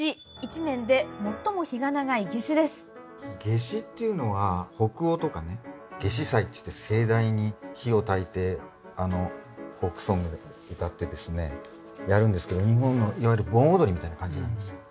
夏至っていうのは北欧とかね夏至祭っていって盛大に火をたいてフォークソングでも歌ってですねやるんですけど日本のいわゆる盆踊りみたいな感じなんですよ。